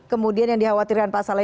kemudian yang dikhawatirkan pak saleh